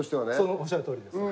おっしゃるとおりです。